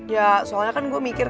ya soalnya kan gue mikir